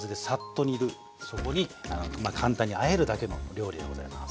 そこに簡単にあえるだけの料理でございます。